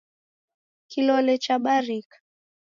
Kilole chabarika